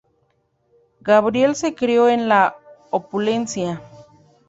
Gabriel se crio en la opulencia.